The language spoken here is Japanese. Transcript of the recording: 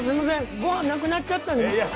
ご飯なくなっちゃった。